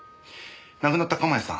亡くなった鎌谷さん